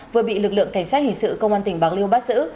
vừa bị lực lượng cảnh sát hình sự công an tỉnh bạc liêu bắt giữ